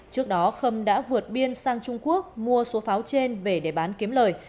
trước đó khâm đã vượt biên sang trung quốc mua số pháo trên về để bán kiếm lời